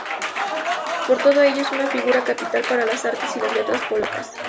Por todo ello es una figura capital para las artes y las letras polacas.